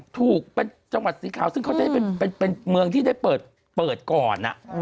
ถูกเป็นจังหวัดสีขาวซึ่งเขาจะได้เป็นเมืองที่ได้เปิดก่อน